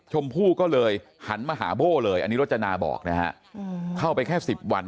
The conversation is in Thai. หันมาหาโบ้เลยอันนี้รจนาบอกนะครับเข้าไปแค่๑๐วัน